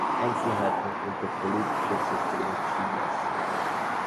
Einzelheiten unter Politisches System Chiles.